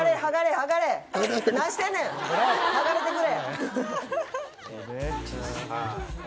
剥がれてくれ！